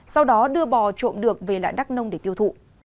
sau đó đưa bò trộm được về lại đắk nông để tiêu thụ